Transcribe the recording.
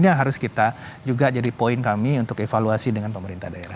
ini yang harus kita juga jadi poin kami untuk evaluasi dengan pemerintah daerah